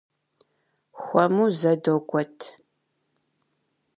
Хуэму, зэ догуэт!